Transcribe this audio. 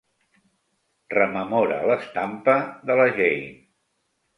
Rememora l'estampa de la Jane.